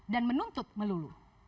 dan menuntut melulu